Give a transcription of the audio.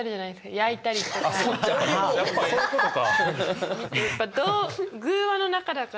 やっぱそういうことか。